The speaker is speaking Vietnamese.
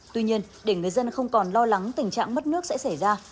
tuy nhiên để người dân không còn lo lắng tình trạng mất nước sẽ xảy ra